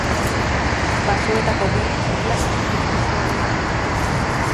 Basoetako gerri-txoriak azpiespezie hauek ditu.